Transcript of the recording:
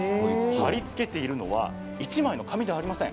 貼り付けているのは１枚の紙ではありません。